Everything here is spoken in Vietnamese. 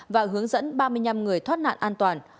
và hướng dẫn ba mươi năm người thoát nạn an toàn